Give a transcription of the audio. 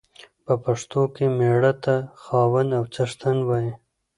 په پښتو کې مېړه ته خاوند او څښتن وايي.